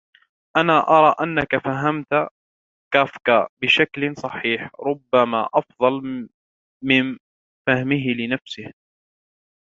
أنا أرى أنكَ فهمت كافكا بشكل صحيح, ربما أفضل من فهمهِ لنفسه.